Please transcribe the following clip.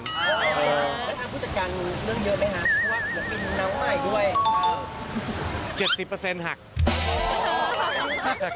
แล้วผู้จัดการเลือกเยอะไหมครับ